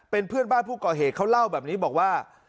เป็นเพื่อนบ้านผู้ก่อเหตุเขาเล่าแบบนี้บอกว่า